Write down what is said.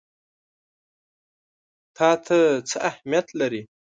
تا ته څه اهمیت لري؟